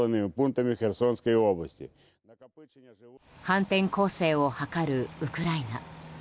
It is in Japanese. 反転攻勢を図るウクライナ。